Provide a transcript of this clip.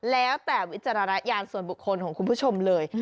แล้วแต่วิจารณญาณส่วนบุคคลของคุณผู้ชมเลย